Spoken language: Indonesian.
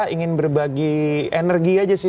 ingin berbagi energi aja sih